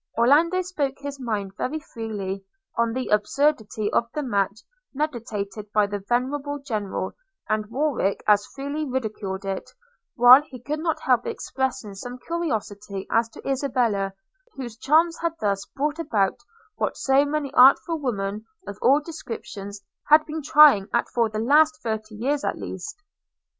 Orlando spoke his mind very freely on the absurdity of the match meditated by the venerable General; and Warwick as freely ridiculed it, while he could not help expressing some curiosity as to Isabella, whose charms had thus brought about what so many artful women of all descriptions had been trying at for the last thirty years at least.